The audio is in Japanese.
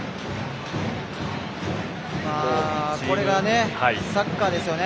これがサッカーですよね。